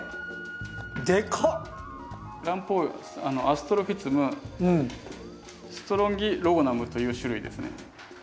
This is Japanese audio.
アストロフィツム・ストロンギロゴナムという種類ですね。